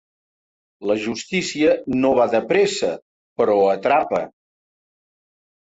La justícia no va de pressa, però atrapa.